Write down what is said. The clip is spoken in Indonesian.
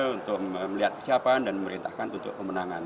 untuk melihat kesiapan dan memerintahkan untuk pemenangan